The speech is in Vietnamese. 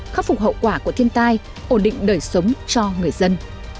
khắc phục hậu quả của thiên tai ổn định đời sống cho người dân